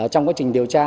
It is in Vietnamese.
trong quá trình điều tra